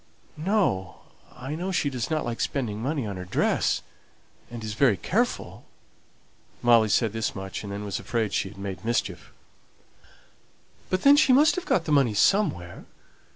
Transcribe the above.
"No. I know she doesn't like spending money on her dress, and is very careful." Molly said this much, and then was afraid she had made mischief. "But then she must have got the money somewhere.